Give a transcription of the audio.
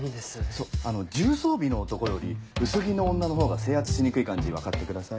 そう重装備の男より薄着の女のほうが制圧しにくい感じ分かってください。